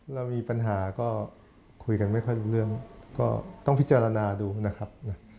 เรามีปัญหาก็คุยกันไม่ค่อยรู้เรื่องก็ต้องพิจารณาดูนะครับนะ